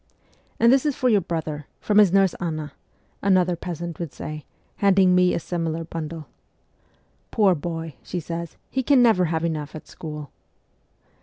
'And this is for your brother, from his nurse Anna,' another peasant would say, handing me a similar bundle. '" Poor boy," she says, " he can never have enough at school."